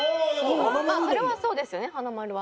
それはそうですよねはなまるは。